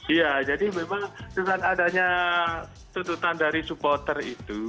iya jadi memang dengan adanya tuntutan dari supporter itu